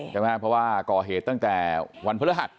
เพราะว่าก่อเหตุตั้งแต่วันพระรหัส